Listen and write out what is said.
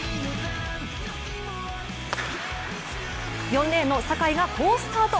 ４レーンの坂井が好スタート！